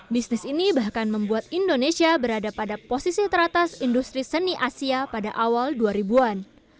bisnis ini bahkan membuat indonesia berada pada posisi teratas industri seni asia pada awal dua ribu an